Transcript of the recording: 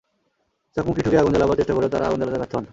চকমকি ঠুকে আগুন জ্বালাবার চেষ্টা করেও তারা আগুন জ্বালাতে ব্যর্থ হন।